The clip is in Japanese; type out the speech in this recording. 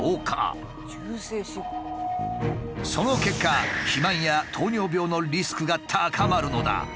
その結果肥満や糖尿病のリスクが高まるのだ。